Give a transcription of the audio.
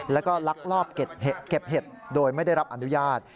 แล้วก็ลักลอบเก็บเห็ดโดยไม่ได้รับอนุญาต